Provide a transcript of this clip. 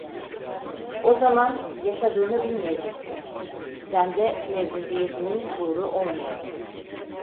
O zaman yaşadığını bilmeyeceksin, sende mevcudiyetinin şuuru olmayacak…